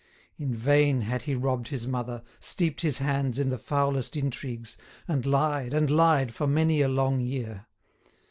In vain had he robbed his mother, steeped his hands in the foulest intrigues, and lied and lied for many a long year.